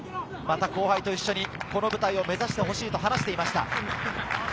また後輩と一緒にこの舞台を目指してほしいと話していました。